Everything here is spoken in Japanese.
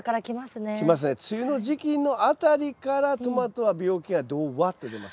梅雨の時期のあたりからトマトは病気がどわっと出ます。